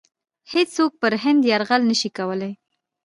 هیڅوک پر هند یرغل نه شي کولای.